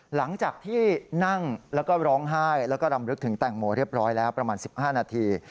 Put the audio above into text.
หลังจากที่นั่งแล้วก็ร้องไห้แล้วก็รำลึกถึงแตงโมเรียบร้อยแล้วประมาณ๑๕นาที